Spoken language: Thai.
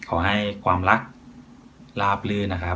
ขอให้ความรักลาบลื่นนะครับ